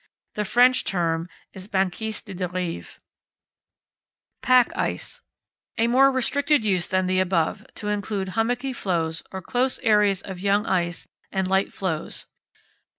The French term is banquise de derive. Pack ice. A more restricted use than the above, to include hummocky floes or close areas of young ice and light floes.